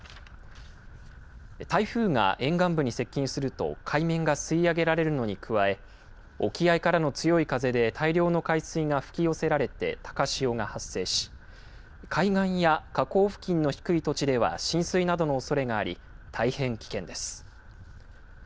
台風が沿岸部に接近すると、海面が吸い上げられるのに加え、沖合からの強い風で大量の海水が吹き寄せられて、高潮が発生し、海岸や河口付近の低い土地では、浸水などのおそれがあり、大変危険です。